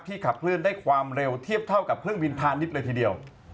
ขับเคลื่อนได้ความเร็วเทียบเท่ากับเครื่องบินพาณิชย์เลยทีเดียว